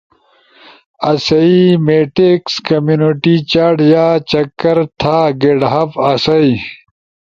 آسئی میٹیکس کمیونٹی چاٹ یا چکر تھا گیٹ ہبا آسئی